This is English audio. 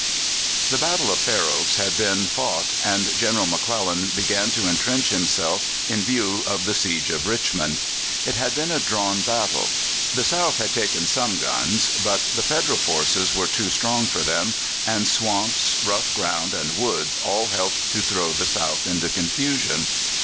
The battle of Fair Oaks had been fought, and General McClellan began to entrench himself in view of the siege of Richmond. It had been a drawn battle: the South had taken some guns, but the Federal forces were too strong for them, and swamps, rough ground, and woods all helped to throw the South into confusion.